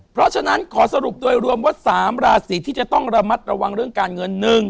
เพราะฉะนั้นขอสรุปโดยรวมว่า๓ราศีที่จะต้องระมัดระวังเรื่องการเงิน